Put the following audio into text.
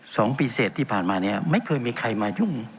สองปีเสร็จที่ผ่านมาเนี่ยไม่เคยมีใครมายุ่ง